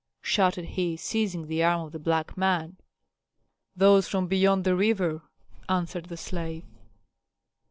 shouted he, seizing the arm of the black man. "Those from beyond the river," answered the slave.